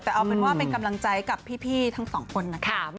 แต่เอาเป็นว่าเป็นกำลังใจกับพี่ทั้งสองคนนะคะ